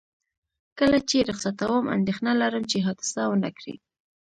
کله چې یې رخصتوم، اندېښنه لرم چې حادثه ونه کړي.